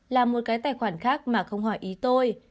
là một cái tài khoản khác mà không hỏi ý tôi